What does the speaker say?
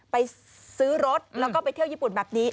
ไปซื้อรถแล้วก็ไปเที่ยวญี่ปุ่นแบบนี้